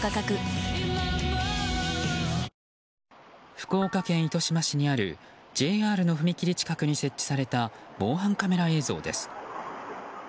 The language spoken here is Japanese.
福岡県糸島市にあるＪＲの踏切近くに設置された防犯カメラ映像です。